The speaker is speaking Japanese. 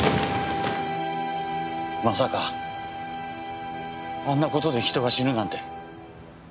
まさかあんな事で人が死ぬなんて。